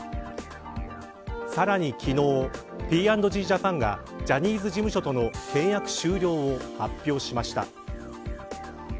さらに昨日、Ｐ＆Ｇジャパンがジャニーズ事務所との契約終了を発表しました。